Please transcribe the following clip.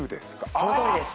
そのとおりです。